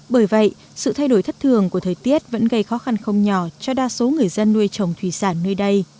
bởi vậy sự thay đổi thất thường của thời tiết vẫn gây khó khăn không nhỏ cho đa số người dân nuôi trồng thủy sản nơi đây